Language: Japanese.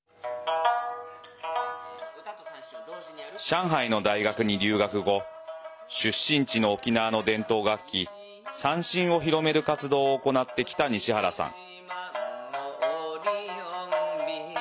上海の大学に留学後出身地の沖縄の伝統楽器三線を広める活動を行ってきた西原さん。